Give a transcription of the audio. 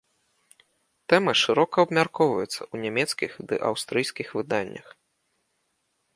Тэма шырока абмяркоўваецца ў нямецкіх ды аўстрыйскіх выданнях.